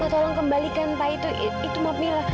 tolong kembalikan pak itu itu maaf mila